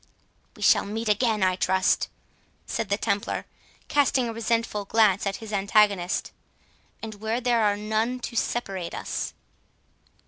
"We shall meet again, I trust," said the Templar, casting a resentful glance at his antagonist; "and where there are none to separate us."